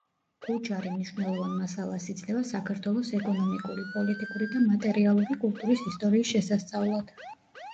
გუჯარი მნიშვნელოვან მასალას იძლევა საქართველოს ეკონომიკური, პოლიტიკური და მატერიალური კულტურის ისტორიის შესასწავლად.